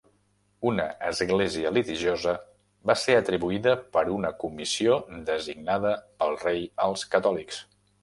Una Església litigiosa va ser atribuïda per una comissió designada pel rei als catòlics.